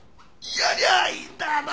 やりゃあいいんだろ！